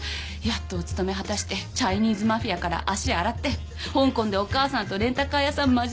やっとお勤め果たしてチャイニーズマフィアから足洗って香港でお母さんとレンタカー屋さん